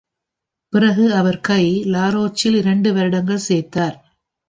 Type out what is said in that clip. பிறகு அவர் கை லாரோச்சில் இரண்டு வருடங்கள் சேர்ந்தார்.